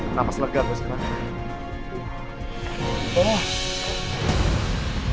napas legar gua sekarang